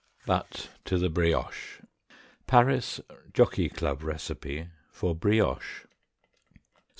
But to the brioche. PARIS JOCKEY CLUB RECIPE FOR BRIOCHE.